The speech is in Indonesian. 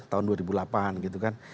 tahun dua ribu delapan gitu kan